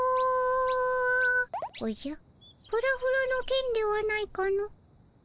おじゃフラフラのケンではないかの？